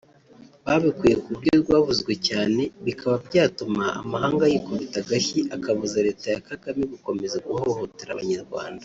babikuye ku buryo rwavuzwe cyane bikaba byatuma amahanga yikubita agashyi akabuza Leta ya Kagame gukomeza guhohotera abanyarwanda